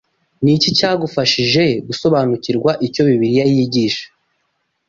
Ni iki cyagufashije gusobanukirwa icyo Bibiliya yigisha?